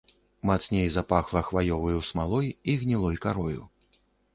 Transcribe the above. Мацней запахла хваёваю смалой і гнілой карою.